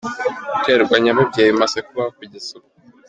Guterwa nyababyeyi bimaze kubaho kugeza ubu: .